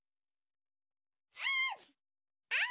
あ！